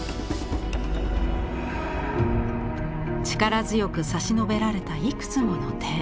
力強く差し伸べられたいくつもの手。